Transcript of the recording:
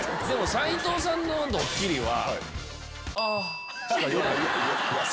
斉藤さんのドッキリは。